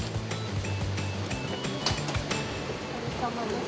お疲れさまです。